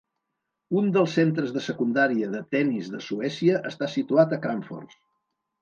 Un dels centres de secundària de tennis de Suècia està situat a Kramfors.